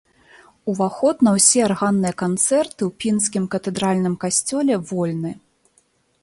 Уваход на ўсе арганныя канцэрты ў пінскім катэдральным касцёле вольны.